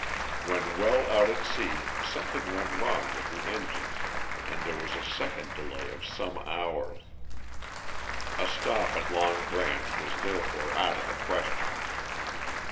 When well out at sea something went wrong with the engines, and there was a second delay of some hours. A stop at Long Branch was therefore out of the question.